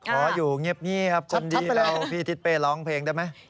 ขออยู่เงียบครับคนดีแล้วพี่ทิศเป้ร้องเพลงได้ไหม